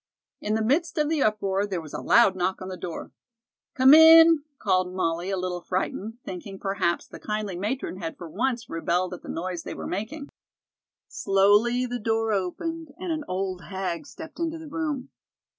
In the midst of the uproar there was a loud knock on the door. "Come in," called Molly, a little frightened, thinking, perhaps, the kindly matron had for once rebelled at the noise they were making. Slowly the door opened and an old hag stepped into the room.